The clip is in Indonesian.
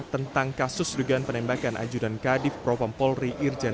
tentang kasus dugaan penembakan ajudan kadif propam polri irjen